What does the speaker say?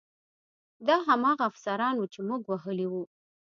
دا هماغه افسران وو چې موږ وهلي وو